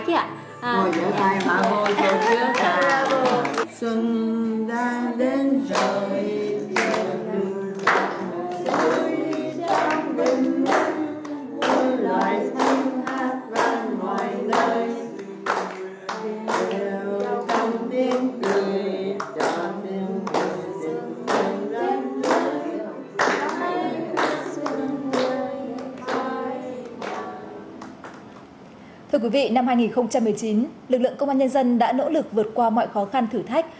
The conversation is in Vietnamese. thưa quý vị năm hai nghìn một mươi chín lực lượng công an nhân dân đã nỗ lực vượt qua mọi khó khăn thử thách